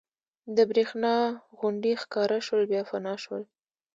د برېښنا غوندې ښکاره شول بیا فنا شول.